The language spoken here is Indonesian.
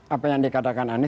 apa yang dikatakan anies